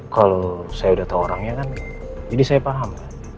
kalau saya udah tahu orangnya kan jadi saya paham